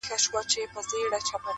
دا په وينو روزل سوي -